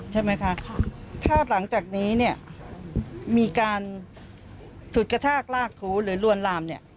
ใช่ไหมคะถ้าหลังจากนี้มีการถุดกระทากลากถูหรือลวนลาม